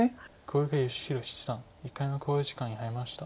小池芳弘七段１回目の考慮時間に入りました。